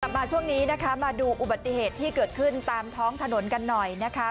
มาช่วงนี้นะคะมาดูอุบัติเหตุที่เกิดขึ้นตามท้องถนนกันหน่อยนะคะ